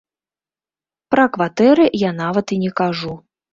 Пра кватэры я нават і не кажу.